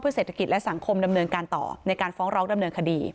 เศรษฐกิจและสังคมดำเนินการต่อในการฟ้องร้องดำเนินคดี